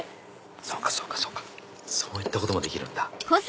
そうかそうかそうかそういったこともできるんだ。